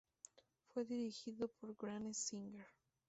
Fue dirigido por Grant Singer.